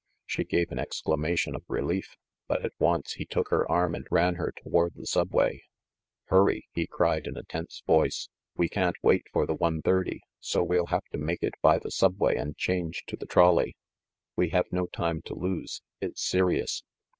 She gave an exclamation of relief ; but at once he took her arm and ran her toward the subway. "Hurry !" he cried in a tense voice. "We can't wait for the one thirty; so we'll have to make it by the subway and change to the trolley. We have no time to lose ! It's serious